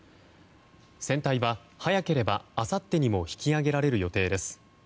船体は早ければあさってにも引き揚げられる予定です。